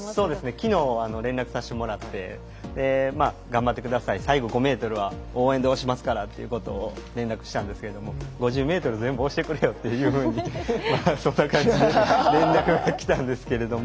きのう連絡させてもらって頑張ってください、最後５ｍは応援でおしますからと連絡したんですけれど５０ｍ全部、押してくれよとそんな感じで連絡がきたんですけれども。